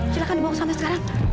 silahkan dibawa ke sana sekarang